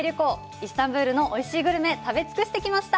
イスタンブルのおいしいグルメ、食べ尽くしてきました！